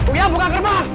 uya buka gerbang